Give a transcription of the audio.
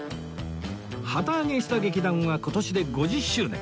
旗揚げした劇団は今年で５０周年